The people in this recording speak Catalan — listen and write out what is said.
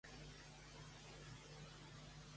Ell ha pogut acabar el seu discurs de forma tranquil·la?